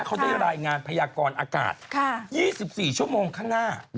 เขาได้รายงานพยากรอากาศ๒๔ชั่วโมงข้างหน้า